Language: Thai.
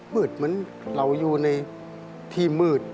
มืดเหมือนเราอยู่ในที่มืด